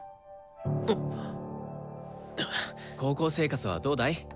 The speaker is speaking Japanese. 高校生活はどうだい？